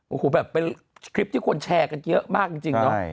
โอ้โหแบบเป็นคลิปที่คนแชร์กันเยอะมากจริงเนาะ